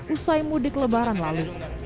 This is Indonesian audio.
usai mudik lebaran lalu